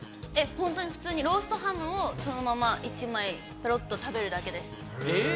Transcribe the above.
本当に普通にローストハムをそのまま１枚ぺろっと食べるだけです。